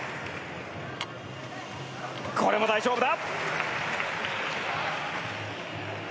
これも大丈夫だ！